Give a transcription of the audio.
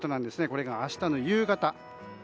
これが明日の夕方。